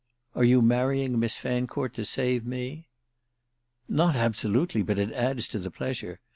"Are you marrying Miss Fancourt to save me?" "Not absolutely, but it adds to the pleasure.